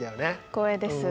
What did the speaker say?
光栄です。